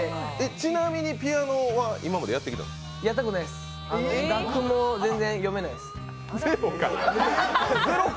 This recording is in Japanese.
ちなみにピアノは今までやってきたんですか？